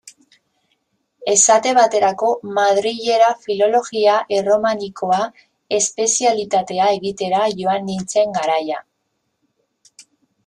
Esate baterako, Madrilera Filologia Erromanikoa espezialitatea egitera joan nintzen garaia.